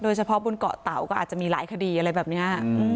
เฉพาะบนเกาะเตาก็อาจจะมีหลายคดีอะไรแบบนี้